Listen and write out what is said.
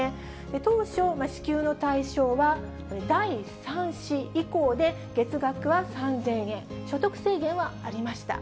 当初、支給の対象は第３子以降で、月額は３０００円、所得制限はありました。